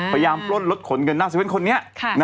พยายามปลดลดขนเงินนักศัพท์คนนี้